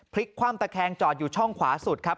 พลิกคว่ำตะแคงจอดอยู่ช่องขวาสุดครับ